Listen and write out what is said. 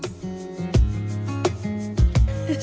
kepala kepala kepala kepala